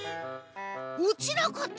落ちなかった！